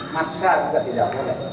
masyarakat juga tidak boleh